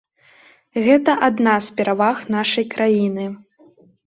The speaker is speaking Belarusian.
Гэта адна з пераваг нашай краіны.